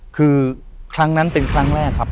คือครั้งนั้นเป็นครั้งแรกครับ